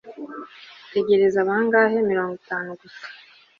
tegereza! bangahe? mirongo itanu gusa